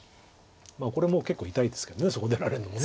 これも結構痛いですけどそこ出られるのも。